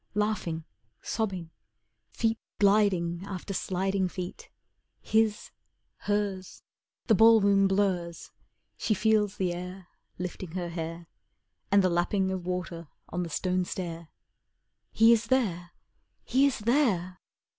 Laughing, sobbing, Feet gliding after sliding feet; His hers The ballroom blurs She feels the air Lifting her hair, And the lapping of water on the stone stair. He is there! He is there!